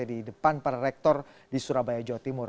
di depan para rektor di surabaya jawa timur